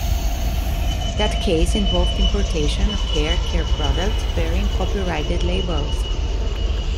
That case involved importation of hair care products bearing copyrighted labels.